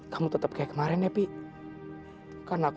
kamu tuh udah mau jalan bareng sama aku